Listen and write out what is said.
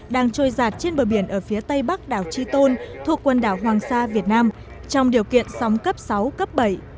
đang trôi giạt trên bờ biển ở phía tây bắc đảo chi tôn thuộc quần đảo hoàng sa việt nam trong điều kiện sóng cấp sáu cấp bảy